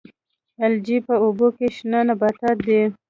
الجی په اوبو کې شنه نباتات دي